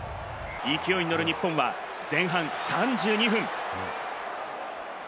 勢いに乗る日本は、前半３２分。